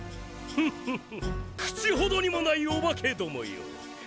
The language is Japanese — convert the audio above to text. フフフ口ほどにもないオバケどもよ。